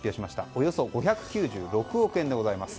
およそ５９６億円でございます。